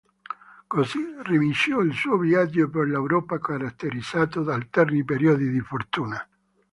Così ricominciò il suo viaggio per l'Europa caratterizzato da alterni periodi di fortuna.